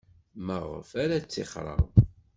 Maɣef ara ttixreɣ?